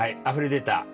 あふれ出た。